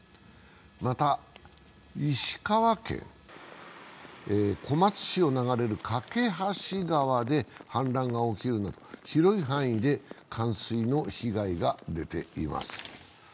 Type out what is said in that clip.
また石川県、小松市を流れる梯川で氾濫が起きるなど、広い範囲で冠水の被害が出ています。